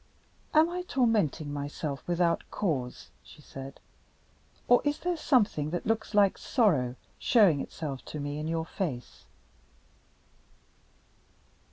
"Am I tormenting myself without cause?" she said. "Or is there something that looks like sorrow, showing itself to me in your face?"